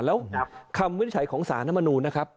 แล้วคำวิทยาศาสตร์ของสานมณูนะครับ